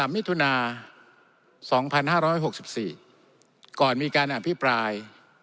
๒๓มิถุนาสองพันห้าร้อยหกสิบสี่ก่อนมีการอธิปราย